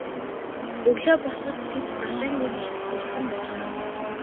Өглөө болоход тэд далайн эрэгт ирсэн байлаа.